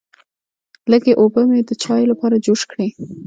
لږې اوبه مې د چایو لپاره جوش کړې.